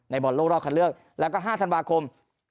บอลโลกรอบคันเลือกแล้วก็๕ธันวาคม